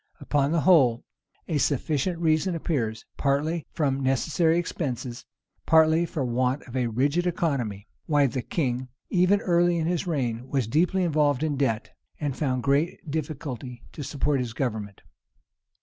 Upon the whole, a sufficient reason appears, partly from necessary expenses, partly for want of a rigid economy, why the king, even early in his reign, was deeply involved in debt, and found great difficulty to support the government.